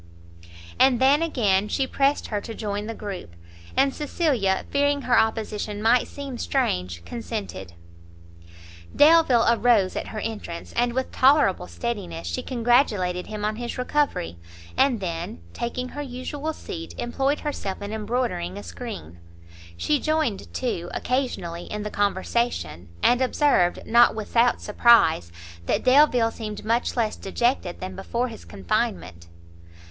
And then again she pressed her to join the group, and Cecilia, fearing her opposition might seem strange, consented. Delvile arose at her entrance, and, with tolerable steadiness, she congratulated him on his recovery; and then, taking her usual seat, employed herself in embroidering a screen. She joined too, occasionally, in the conversation, and observed, not without surprise, that Delvile seemed much less dejected than before his confinement.